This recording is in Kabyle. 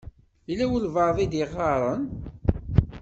Yella walebɛaḍ i d-iɣaṛen.